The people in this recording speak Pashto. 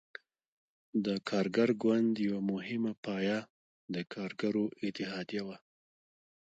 د کارګر ګوند یوه مهمه پایه د کارګرو اتحادیه وه.